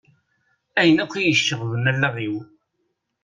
Ayen akk iyi-iceɣben allaɣ-iw.